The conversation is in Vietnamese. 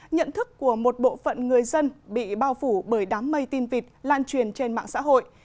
nhận thức của một bộ phận người dân bị bao phủ bởi đám mây tin vịt lan truyền trên mạng xã hội